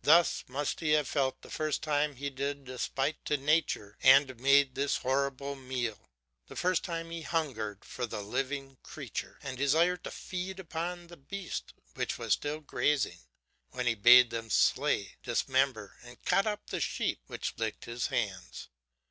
"Thus must he have felt the first time he did despite to nature and made this horrible meal; the first time he hungered for the living creature, and desired to feed upon the beast which was still grazing; when he bade them slay, dismember, and cut up the sheep which licked his hands.